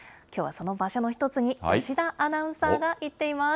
きょうはその場所の一つに吉田アナウンサーが行っています。